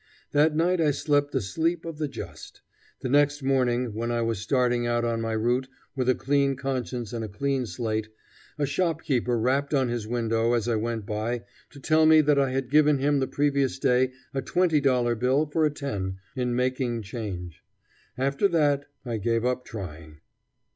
That night I slept the sleep of the just. The next morning, when I was starting out on my route with a clean conscience and a clean slate, a shopkeeper rapped on his window as I went by to tell me that I had given him the previous day a twenty dollar bill for a ten, in making change. After that I gave up trying.